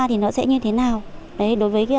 thì nó sẽ như thế nào đối với